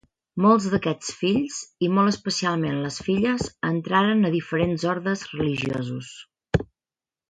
Molts d'aquests fills, i molt especialment les filles, entraren a diferents ordes religiosos.